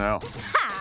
はあ？